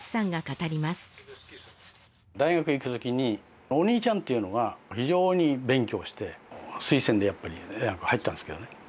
大学へ行くときにお兄ちゃんというのは非常に勉強して推薦でやっぱり大学に入ったんですけどね。